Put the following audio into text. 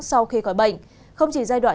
sau khi khỏi bệnh không chỉ giai đoạn